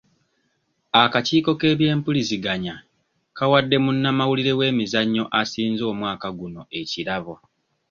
Akakiiko k'ebyempuliziganya kawadde munnamawulire w'emizannyo asinze omwaka guno ekirabo.